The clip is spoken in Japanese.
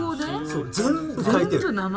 そう全部書いてる。